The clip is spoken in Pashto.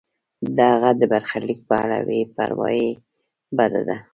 د هغه د برخلیک په اړه بې پروایی بده ده.